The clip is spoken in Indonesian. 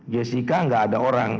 jessica gak ada orang